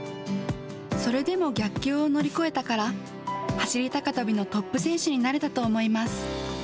それでも逆境を乗り越えたから、走り高跳びのトップ選手になれたと思います。